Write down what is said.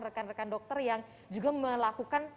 rekan rekan dokter yang juga melakukan